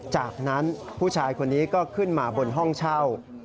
จากนั้นผู้ชายคนนี้ก็ขึ้นมาบนห้องเช่า